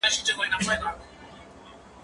زه به د کتابتوننۍ سره مرسته کړې وي،